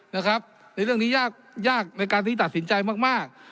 ในเรื่องนี้ยากยากในการที่ตัดสินใจมาก